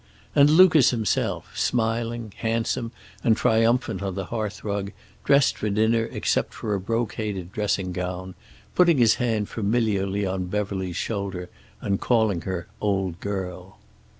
And Lucas himself, smiling, handsome and triumphant on the hearth rug, dressed for dinner except for a brocaded dressing gown, putting his hand familiarly on Beverly's shoulder, and calling her "old girl."